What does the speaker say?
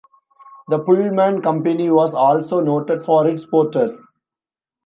The Pullman Company was also noted for its porters.